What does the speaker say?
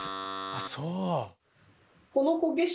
あっそう！